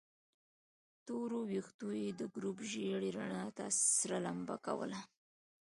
تورو ويښتو يې د ګروپ ژېړې رڼا ته سره لمبه کوله.